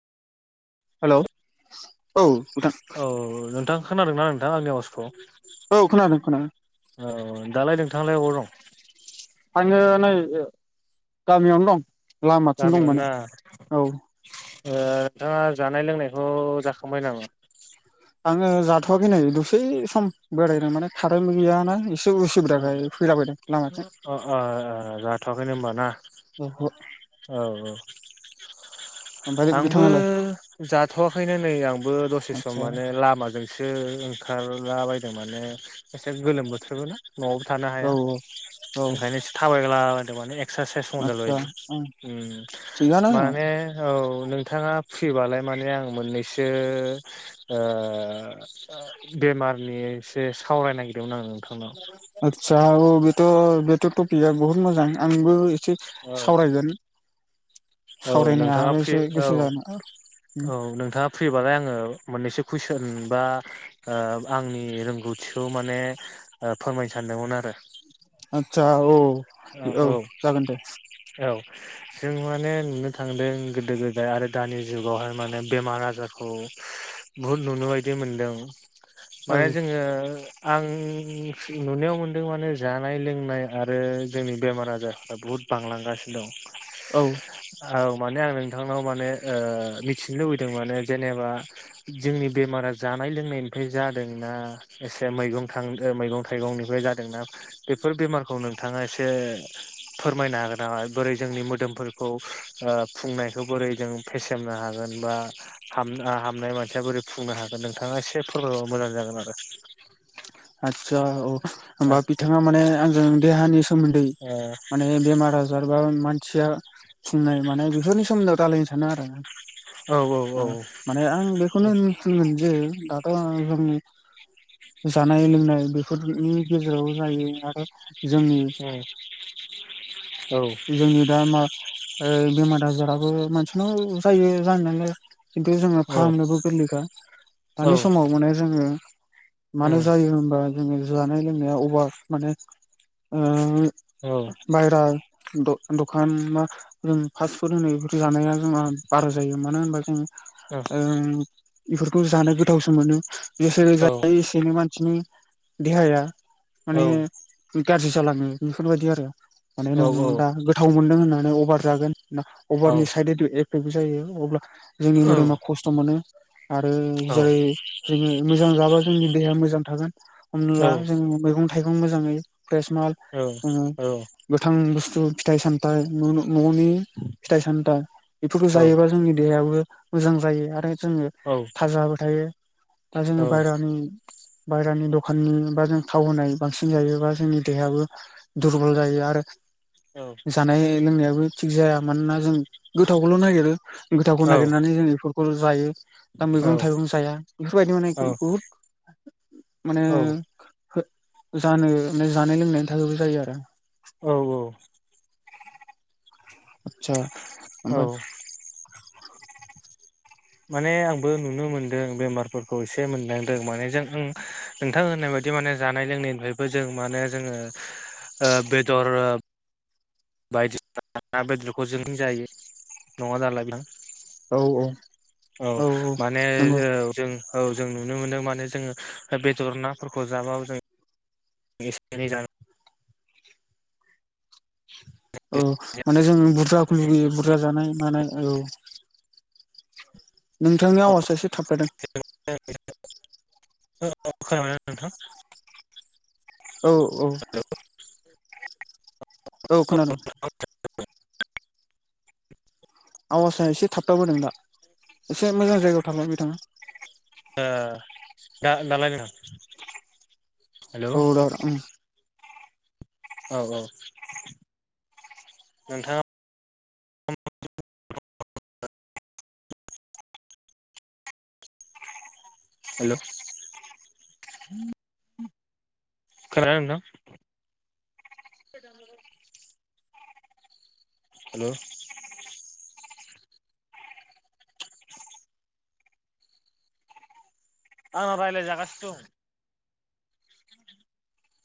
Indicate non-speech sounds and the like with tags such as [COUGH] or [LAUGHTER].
हेल' औ नोंथां औ नोंथां खोनादोंना नोंथां आंनि आवासखौ औ खोनादों, खोनादों औ दालाय नोंथाङालाय अबाव दं? आङो नै ओ गामियावनो दं लामाथिं दं माने गामियावनोना औ ओ नोंथाङा जानाय लोंनायखौ जाखांबाय नाङा? आङो जाथ'वाखै नै दसे सम बोरायदों माने कारेन्ट गैयाना एसे उसुबिदाखाय फैलाबायदों ओ लामाथिं ओ ओ जाथ'वाखैनो होनबा ना ओहो औ औ आंबो बिथाङालाय जाथ'वाखैनो नै आंबो दसे सम आदसा माने लामाजों सो ओंखारला बदों माने एसे गोलोम बोथोरबोना न'आवबो थानो औ हाया, औ ओंखायनो एसे थाबायला बायदों माने ए एकस्रासाइस मदेल आदसा बायदि ओं उम थिगानो माने औ नोंथाङा फ्रिबालाय माने आं मोननैसो ओ बे बेमारनि एसे सावरायनो नागिरदोंमोन आं आदसा औ बेथ' बेथ' टपिकआ बुहुद मोजां आंबो एसे आं सावरायगोन औ सावरायनो नोंथाङा हायाबा फ्रि एसे औ गोसो जानो औ नोंथाङा फ्रिबालाय आङो मोननैसो कुइसन बा ओ आंनि रोंगौथिखौ माने ओ फोरमायनो सानदोंमोन आरो ओ आदसा औ औ जागोन दे। औ जों माने नुनो थांदों गोदो गोदाय आरो दानि जुगावहाय माने बेमार आजारखौ बुहुद नुनो बायदि मोनदों औ माने जोङो आं नुनायाव मोनदों माने जानाय-लोंनाय आरो जोंनि बेमार आजारफ्रा बुहुद बांलांगासिनो दं औ। औ माने आं नोंथांनाव माने ओ मिथिनो लुबैदों माने जेनेबा जोंनि बेमारा जानाय लोंनायनिफ्राय जादोंना एसे मैगं थां मैगं थाइगंनिफ्राय जादोंना। बेफोर बेमारखौ नोंथाङा एसे फोरमायनो हागोन नामा बोरै जोंनि मोदोमफोरखौ ओ फुंनायखौ बोरै जों फेसेमनो हागोन बा हामनाय मानसिया बोरै फुंनो हागोन नोंथाङा एसे फोरमायबा मोजां जागोन आरो [UNINTELLIGIBLE] आदसा औ होमबा बिथाङा माने आंजों देहानि सोमोन्दै ओ माने बेमार आजार बा मा थिया फुंनाय मानाय बेफोरनि सोमोन्दै रायलायनो सानो आरोना औ उम औ उम औ माने आं बेखौनो बुंगोन जे दाथ' जोंनि जानाय लोंनाय बेफोरनि गेजेराव जायो। आरो जोंनि जोंनि दा मा ओ बेमार आजाराबो मानसिनाव जायो जानायालाय खिन्थु जोङो फाहामनोबो गोरलैखा दानि समाव माने जोङो मानो जायो होनबा जोङो जानाय लोंनाया अभार माने ओ बायरा द-दखाना जों फास्ट फुड होनो बेफोर जानाया जोंहा बारा जायो मानो होनबा जों उम बेफोरखौ जानो गोथावसो मोनो जेसेनो जायो एसेनो मानसिनि देहाया माने गाज्रि जालाङो बेफोरबायदि आरो माने नों दा गोथाव मोन्दों होननानै अभार जागोना अभारनि साइद एथु एफेक्ट जायो अब्ला जोंनि मोदोमा खस्थ' मोनो आरो जेरै जोङो मोजां जाबा जोंनि देहाया मो जां थागोन हमनाला जों मैगं थाइगं मोजाङै फ्रेस माल जोङो औ गोथां बुस्थु फिथाइ सामथाइ न न'नि फिथाइ सामथाइ बेफोरखौ जायोबा जोंनि देहायाबो मोजां जायो आरो जोङो थाजाबो थायो बा जोङो बायहेरानि बायहेरानि दखाननि बा जों थाव होनाय बांसिन जायोबा जोंनि देहायाबो दुरबल जायो आरो जानाय लोंनायाबो थिग जाया मानोना जों गोथावखौल' नागिरो गोथावखौ नागिरनानै जों बेफोरखौ जायो दा मैगं थाइगं जाया बेफोरबायदि माने बुहुद माने जानो माने जानाय लोंनायनि थाखायबो जायो आरो औ आतसा औ ओफ्राय माने आंबो नुनो मोनदों बेमारफोरखौ एसे मोनदांदों माने जों आं नोंथां होननाय बायदि बिदि माने जानाय लोंनायनिफ्रायबो जों माने जोङो ओ बेदर बायदिसिना ना बेदरखौ जों जायो नङा दालाय औ नोंथां औ माने औ जों औ जों नुनो मोनदों माने जोङो बेदर नाफोरखौ जाबाबो जों एसे एनै जानो औ माने जों बुरजाखौ लुुबैयो बुरजा जानाय मानाय औ नोंथांनि आवाजा एसे थाबथादों औ खोनाबायना नोंथां औ औ औ खोनादों आवासआ एसे थाबथाबोदों दा एसे मोजां जायगायाव थालाय बिथाङा दा दालाय नोंथां हेलौ औ औ दा उम औ औ नोंथाङा [UNINTELLIGIBLE] हेल' खोनादोंना नोंथां [UNINTELLIGIBLE] हेलौ आंना रायलाय जागासिनो दं।